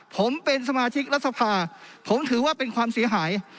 ผมเป็นสมาชิกรัฐสภาผมถือว่าเป็นความเสียหาย